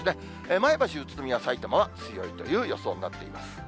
前橋、宇都宮、さいたまは強いという予想になっています。